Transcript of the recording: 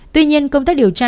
tuy nhiên công tác điều tra